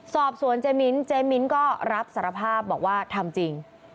เจมิ้นเจมิ้นก็รับสารภาพบอกว่าทำจริง